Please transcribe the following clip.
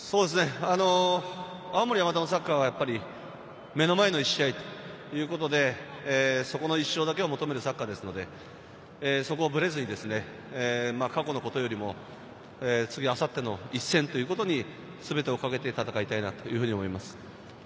青森山田のサッカーはやっぱり目の前の１試合ということで、その１勝だけを求めるサッカーですので、そこをぶれずに、過去のことよりも、次、あさっての一戦ということに全てを懸けて戦いたいなと思います。